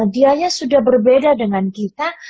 dia nya sudah berbeda dengan kita